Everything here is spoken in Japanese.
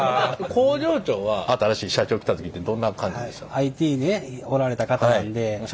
工場長は新しい社長来た時ってどんな感じでした？